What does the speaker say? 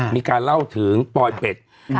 มีการเล่าถึงปลอยเป็ด